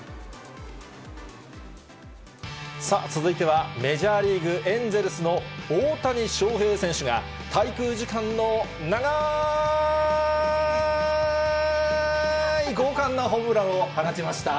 さあ、続いてはメジャーリーグ、エンゼルスの大谷翔平選手が、滞空時間の長ーい豪快なホームランを放ちました。